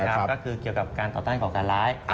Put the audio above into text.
ก็คือเกี่ยวกับการต่อต้านก่อการร้าย